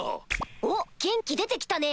おっ元気出て来たね！